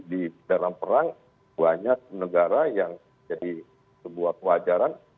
di dalam perang banyak negara yang jadi sebuah kewajaran